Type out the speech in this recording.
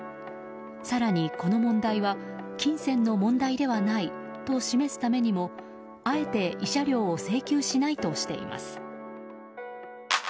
更に、この問題は金銭の問題ではないと示すためにも、あえて慰謝料を請求しないとしています。